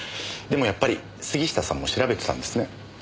でもやっぱり杉下さんも調べてたんですね。